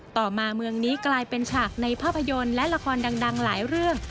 ต่อมาเมืองนี้กลายเป็นฉากในภาพยนตร์และละครดังหลายเรื่อง